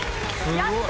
やった！